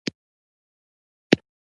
دا خطاطي د صلاح الدین ایوبي د زمانې وه.